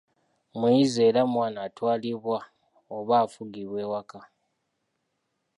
Muyizi era mwana atwalibwa oba afugibwa ewaka